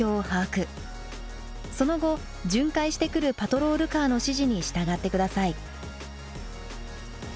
その後巡回してくるパトロールカーの指示に従ってください。